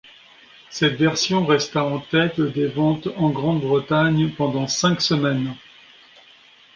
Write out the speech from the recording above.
Cette version resta en tête des ventes en Grande-Bretagne pendant cinq semaines.